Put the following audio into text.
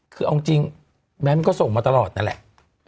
คือเอาจริงแบงค์ก็ส่งมาตลอดนั่นแหละ